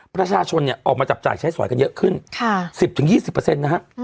ประชาชนเนี่ยออกมาจับจ่ายใช้สอยกันเยอะขึ้น๑๐๒๐นะฮะ